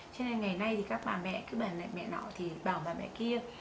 cho nên ngày nay thì các bà mẹ các bà mẹ nọ thì bảo bà mẹ kia